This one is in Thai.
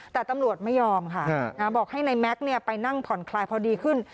แต่ตำรวจไม่ยอมค่ะบอกให้นายแม็กซ์ไปนั่งผ่อนคลายพอดีขึ้น